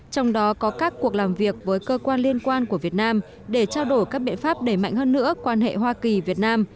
trong đó có các cuộc làm việc với cơ quan liên quan của việt nam để trao đổi các biện pháp đẩy mạnh hơn nữa quan hệ hoa kỳ việt nam